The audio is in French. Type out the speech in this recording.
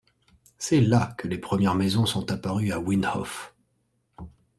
C'est là que les premières maisons sont apparues à Windhof.